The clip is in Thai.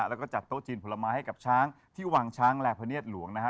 แล้วก็จัดโต๊ะจีนผลไม้ให้กับช้างที่วางช้างและพะเนียดหลวงนะฮะ